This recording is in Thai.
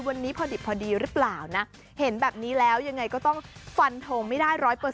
วันนี้พอดิบพอดีหรือเปล่านะเห็นแบบนี้แล้วยังไงก็ต้องฟันทงไม่ได้๑๐๐